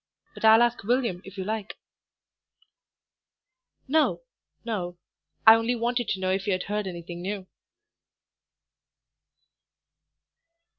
But I'll ask William, if you like." "No, no, I only wanted to know if you'd heard anything new."